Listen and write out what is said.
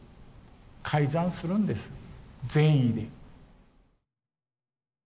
改ざんするんです善意で。